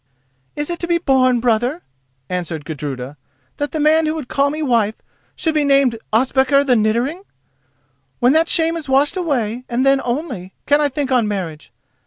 "Is it to be borne, brother," answered Gudruda, "that the man who would call me wife should be named Ospakar the Niddering? When that shame is washed away, and then only, can I think on marriage.